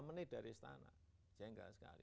tiga menit dari istana jengkel sekali